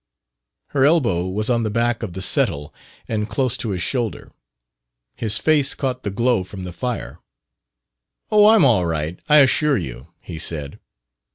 Her elbow was on the back of the settle and close to his shoulder. His face caught the glow from the fire. "Oh, I'm all right, I assure you," he said.